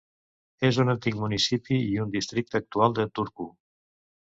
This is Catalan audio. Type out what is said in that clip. És un antic municipi i un districte actual de Turku.